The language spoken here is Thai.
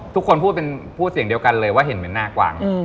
ทุกคนพูดเสียงเดียวกันเลยว่าเห็นเป็นหน้ากวาง